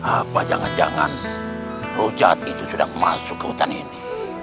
apa jangan jangan rujak itu sudah masuk ke hutan ini